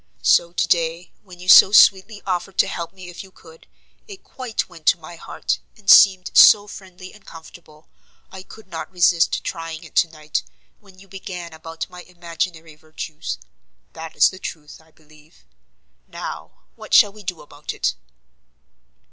So to day, when you so sweetly offered to help me if you could, it quite went to my heart, and seemed so friendly and comfortable, I could not resist trying it tonight, when you began about my imaginary virtues. That is the truth, I believe: now, what shall we do about it?"